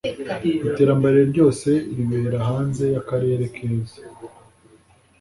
"iterambere ryose ribera hanze yakarere keza."